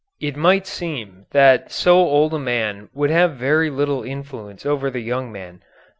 It might seem that so old a man would have very little influence over the young man.